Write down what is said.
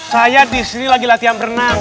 saya disini lagi latihan berenang